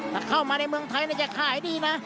ถ้าเข้ามาในเมืองไทยน่าจะฆ่าให้ดีนะ